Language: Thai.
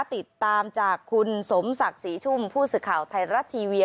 ติดตามจากคุณสมศักดิ์ศรีชุ่มผู้สื่อข่าวไทยรัฐทีวี